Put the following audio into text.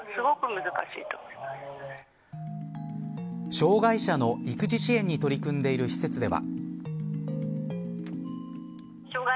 障害者の育児支援に取り組んでいる施設では。